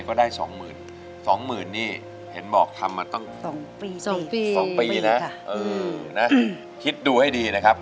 กะวนกะวาย